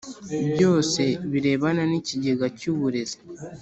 Byose birebana n ikigega cy uburezi